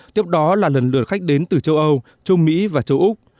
tiếp đó là lần lượt khách đến từ châu âu châu mỹ và châu úc